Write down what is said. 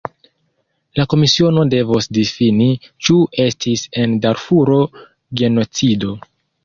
La komisiono devos difini, ĉu estis en Darfuro genocido.